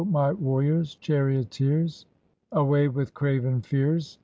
my warriors, charioteers. Away with craven fears.